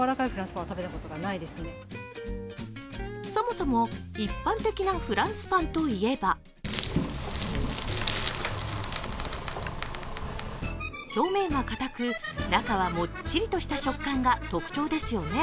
そもそも一般的なフランスパンといえば表面はかたく中はもっちりとした食感が特徴ですよね。